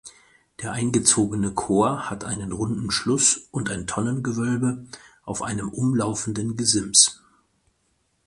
Der eingezogene Chor hat einen runden Schluß und ein Tonnengewölbe auf einem umlaufenden Gesims.